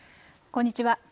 こんにちは。